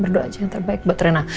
berdoa aja yang terbaik buat renang